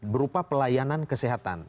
berupa pelayanan kesehatan